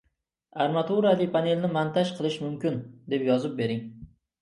Armaturali panelni montaj qilish mumkin, deb yozib bering.